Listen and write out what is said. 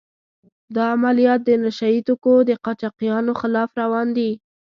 دا عملیات د نشه يي توکو د قاچاقچیانو خلاف روان دي.